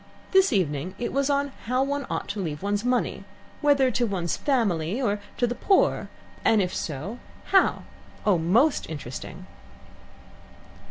This evening it was on how one ought to leave one's money whether to one's family, or to the poor, and if so how oh, most interesting."